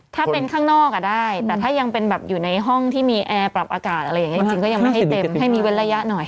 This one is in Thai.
ถ้าเป็นข้างนอกอ่ะได้แต่ถ้ายังเป็นแบบอยู่ในห้องที่มีแอร์ปรับอากาศอะไรอย่างนี้จริงก็ยังไม่ให้เต็มให้มีเว้นระยะหน่อย